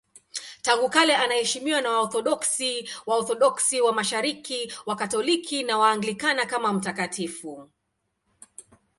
Tangu kale anaheshimiwa na Waorthodoksi, Waorthodoksi wa Mashariki, Wakatoliki na Waanglikana kama mtakatifu.